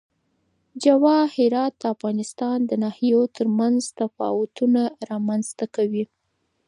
جواهرات د افغانستان د ناحیو ترمنځ تفاوتونه رامنځ ته کوي.